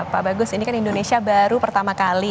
pak bagus ini kan indonesia baru pertama kali